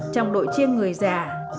trong đội chiêng người già